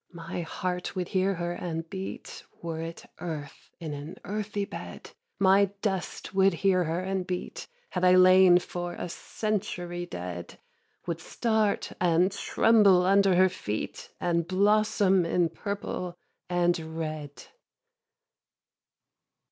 My heart would hear her and beat, Were it earth in an earthy bed; My dust would hear her and beat, Had I lain for a century dead; Would start and tremble under her feet, And blossom in purple and red.